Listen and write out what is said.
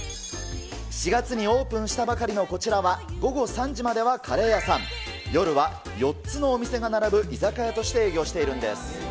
４月にオープンしたばかりのこちらは、午後３時まではカレー屋さん、夜は４つのお店が並ぶ居酒屋として営業しているんです。